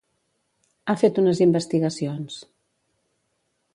Ha fet unes investigacions.